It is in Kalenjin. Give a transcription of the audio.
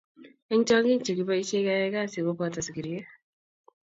Eng tiongiing chje kiboisie keyay kazi koboto sikirie.